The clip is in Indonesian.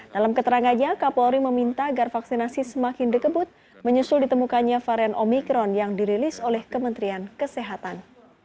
dalam keterangannya kapolri meminta agar vaksinasi semakin dikebut menyusul ditemukannya varian omikron yang dirilis oleh kementerian kesehatan